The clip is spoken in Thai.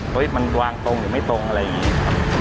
เฮ้ยมันวางตรงหรือไม่ตรงอะไรอย่างนี้ครับ